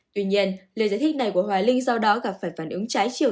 tuy nhiên lời giải thích này của hoài linh do đó gặp phải phản ứng trái chiều